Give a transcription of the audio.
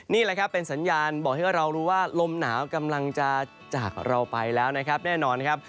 นี่แหละครับเป็นสัญญาณบอกให้เรารู้ว่าลมหนาวกำลังจะจากเราไปแล้วนะครับแน่นอนครับ